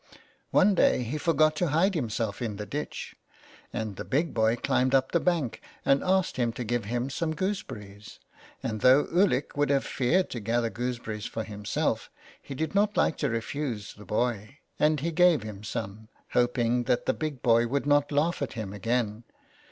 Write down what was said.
One day he forgot to hide himself in the ditch, and the big boy climbed up the bank, and asked him to give him some gooseberries, and though Ulick would have feared to gather gooseberries for himself he did not like to refuse the boy, and he gave him some, hoping that the big boy would not laugh at him again.